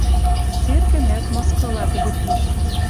Церкӹмӓт мыскыла тӹдӹ пиш.